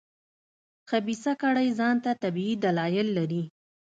خبیثه کړۍ ځان ته طبیعي دلایل لري.